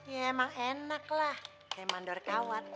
ya emang enak lah kayak mandor kawan